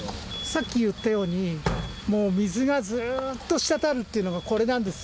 さっき言ったように、もう水がずーっと滴るっていうのが、これなんです。